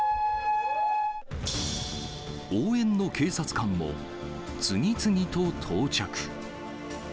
応援の警察官も次々と到着。